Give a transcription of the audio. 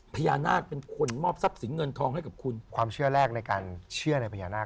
พญานาคเป็นคนมอบทรัพย์สินเงินทองให้กับคุณความเชื่อแรกในการเชื่อในพญานาค